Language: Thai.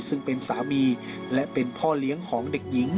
ซึ่งเป็นสามีและเป็นพ่อเลี้ยงของเด็กหญิง